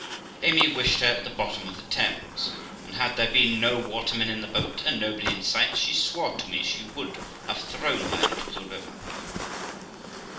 Amy wished her at the bottom of the Thames; and had there been no watermen in the boat, and nobody in sight, she swore to me she would have thrown her into the river.